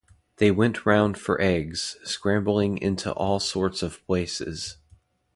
They went round for eggs, scrambling into all sorts of places.